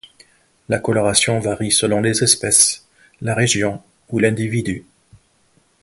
La coloration varie selon les espèces, la région ou l'individu.